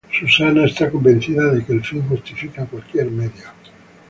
Susana está convencida de que el fin justifica cualquier medio.